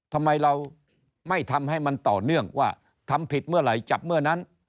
ทำไมเราไม่ทำให้มันต่อเนื่องว่าทำผิดเมื่อไหร่จับเมื่อนั้น